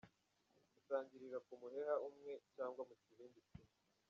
Gusangirira ku muheha umwe cyangwa mu kibindi kimwe.